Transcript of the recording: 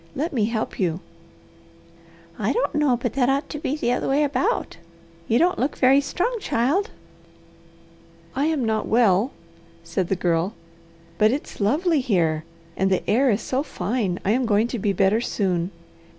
Let me help you." "I don't know but that ought to be the other way about. You don't look very strong, child." "I am not well," said the Girl, "but it's lovely here, and the air is so fine I am going to be better soon.